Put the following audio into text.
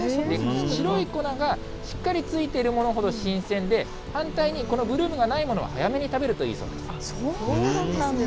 白い粉がしっかりついてるものほど新鮮で、反対に、このブルームがないものは早めに食べるといいそうなんです。